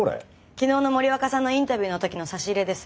昨日の森若さんのインタビューの時の差し入れです。